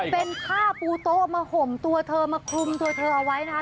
เป็นผ้าปูโต๊ะมาห่มตัวเธอมาคลุมตัวเธอเอาไว้นะคะ